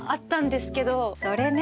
それね。